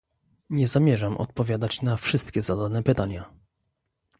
Nie zamierzam odpowiadać na wszystkie zadane pytania